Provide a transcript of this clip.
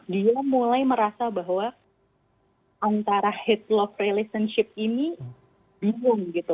dia mulai merasa bahwa antara headlock relationship ini bingung gitu